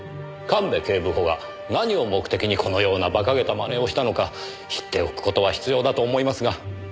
神戸警部補が何を目的にこのようなバカげた真似をしたのか知っておく事は必要だと思いますが。